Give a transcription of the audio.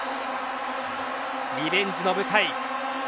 リベンジの舞台。